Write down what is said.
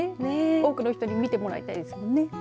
多くの人に見てもらいたいですね。